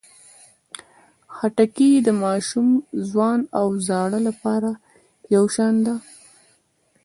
خټکی د ماشوم، ځوان او زاړه لپاره یو شان ده.